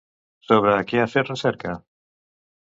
Sobre què ha fet recerca?